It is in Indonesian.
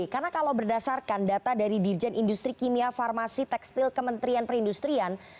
karena kalau berdasarkan data dari dirjen industri kimia farmasi tekstil kementerian perindustrian